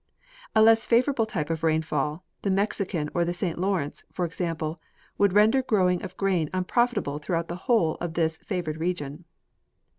A less favorable type of rainfall, the Mexican or the Saint LaAvrence, for example, Avould render groAving of grain unprofitable throughout the Avhole of this favored region.